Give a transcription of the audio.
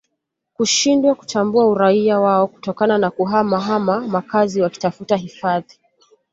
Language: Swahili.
kushindwa kutambua uraia wao kutokana na kuhama hama makazi wakitafuta hifadhi